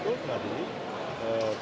bukan mengadili proses